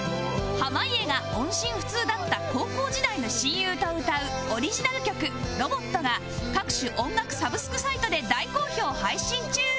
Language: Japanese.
濱家が音信不通だった高校時代の親友と歌うオリジナル曲『ロボット』が各種音楽サブスクサイトで大好評配信中